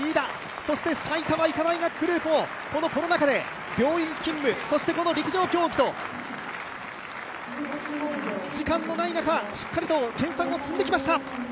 そして埼玉医科大学グループも、このコロナ禍で病院勤務、そして陸上競技と時間のない中、しっかりと研さんを積んできました。